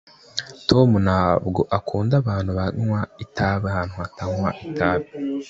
tom ntabwo akunda abantu banywa itabi ahantu hatanywa itabi